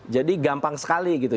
jadi gampang sekali gitu